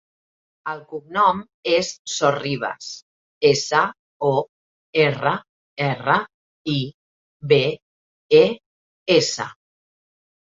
El cognom és Sorribes: essa, o, erra, erra, i, be, e, essa.